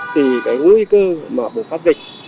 thì cái nguy cơ bùng phát dịch